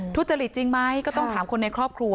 ทุจริตจริงไหมก็ต้องถามคนในครอบครัว